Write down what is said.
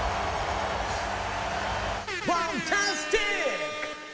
ファンタスティック！